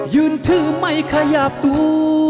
ยืนถือไม่ขยับตัว